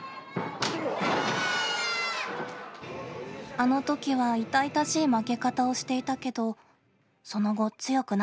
あのときは痛々しい負け方をしていたけどその後強くなれたのかな。